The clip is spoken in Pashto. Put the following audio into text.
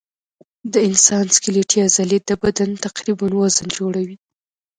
د انسان سکلیټي عضلې د بدن تقریباً وزن جوړوي.